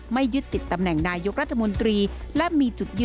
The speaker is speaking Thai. ไม่ยึดติดตำแหน่งนายกรัฐมนตรี